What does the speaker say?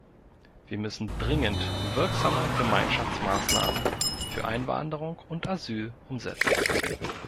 Wir müssen dringend wirksame Gemeinschaftsmaßnahmen für Einwanderung und Asyl umsetzen.